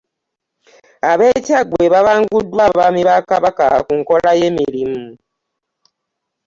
Ab'e Kyaggwe babanguddwa abaami ba Kabaka ku nkola y'emirimu